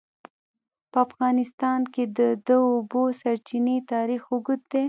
په افغانستان کې د د اوبو سرچینې تاریخ اوږد دی.